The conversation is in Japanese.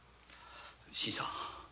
新さん